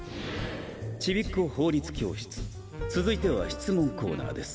ちびっこ法律教室続いては質問コーナーです。